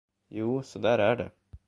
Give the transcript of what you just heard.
Jo, så där är det.